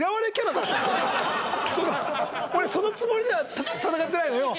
俺そのつもりでは戦ってないのよ。